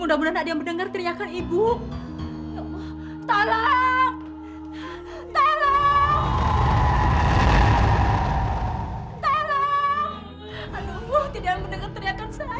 tidak ada yang mendengar teriakan saya